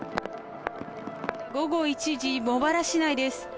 午後１時、茂原市内です。